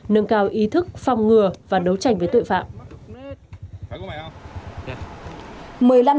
nâng cao ý thức phòng ngừa và đấu tranh với tội phạm